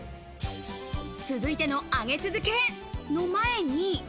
続いての上げ続けの前に。